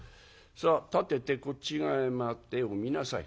さあ立ててこっち側へ回って絵を見なさい」。